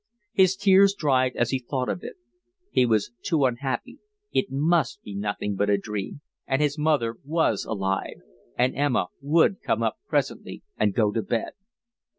His tears dried as he thought of it. He was too unhappy, it must be nothing but a dream, and his mother was alive, and Emma would come up presently and go to bed.